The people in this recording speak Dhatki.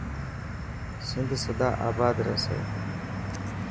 سنڌ سدا آبا رهسي.